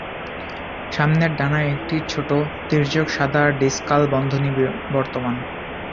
সামনের ডানায় একটি ছোট, তীর্যক সাদা ডিসকাল বন্ধনী বর্তমান।